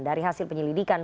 dari hasil penyelidikan